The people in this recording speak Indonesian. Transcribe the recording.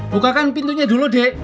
bukakan pintunya dulu dek